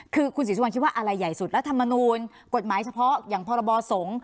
คือคุณศรีสุวรรณคิดว่าอะไรใหญ่สุดรัฐมนูลกฎหมายเฉพาะอย่างพรบสงฆ์